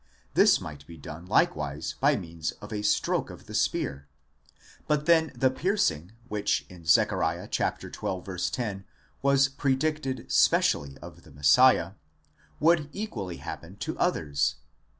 This might be done likewise by means of a stroke of the spear: but then the piercing, which in Zech. xii, 10 was. predicted specially of the Messiah, would equally happen to others.